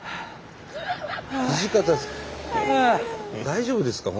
大丈夫ですか？